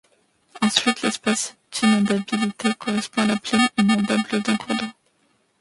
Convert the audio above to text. Ensuite, l’espace d’inondabilité correspond à la plaine inondable d’un cours d’eau.